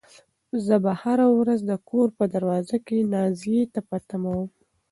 زه به هره ورځ د کور په دروازه کې نازيې ته په تمه وم.